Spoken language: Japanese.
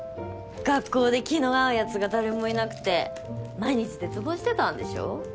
学校で気の合うヤツが誰もいなくて毎日絶望してたんでしょ？